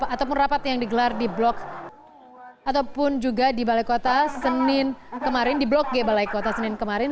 ataupun rapat yang digelar di blok g balai kota senin kemarin